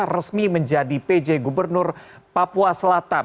resmi menjadi pj gubernur papua selatan